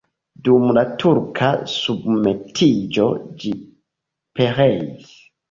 Dum la turka submetiĝo ĝi pereis.